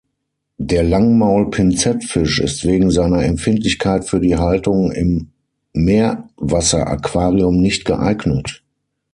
Der Langmaul-Pinzettfisch ist wegen seiner Empfindlichkeit für die Haltung im Meerwasseraquarium nicht geeignet.